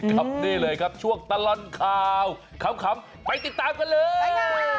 ครับนี่เลยครับช่วงตลอดข่าวขำไปติดตามกันเลย